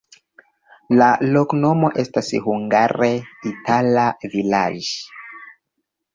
La loknomo estas hungare itala-vilaĝ'.